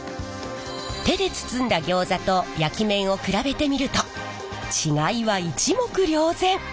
手で包んだギョーザと焼き面を比べてみると違いは一目瞭然。